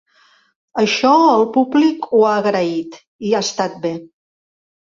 Això el públic ho ha agraït, i ha estat bé.